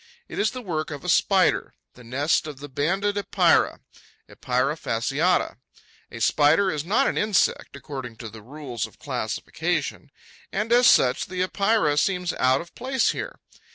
It is the work of a Spider, the nest of the Banded Epeira (Epeira fasciata, LATR.). A Spider is not an insect, according to the rules of classification; and as such the Epeira seems out of place here.